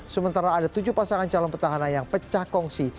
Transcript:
sementara ada tujuh pasangan calon petahana yang pecah kongsi